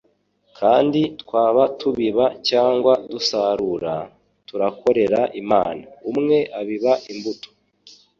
Kandi twaba tubiba cyangwa dusarura, turakorera Imana. Umwe abiba imbuto;